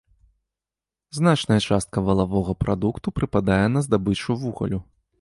Значная частка валавога прадукту прыпадае на здабычу вугалю.